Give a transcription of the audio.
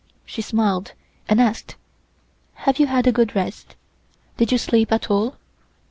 She smiled and asked: "Have you had a good rest? Did you sleep at all?"